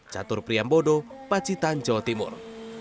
jatur priyambodo pacitan jawa timur